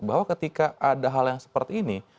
bahwa ketika ada hal yang seperti ini